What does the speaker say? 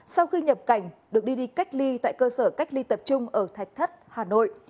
sau khi nhập cảnh được đi đi cách ly tại cơ sở cách ly tập trung ở thạch thất hà nội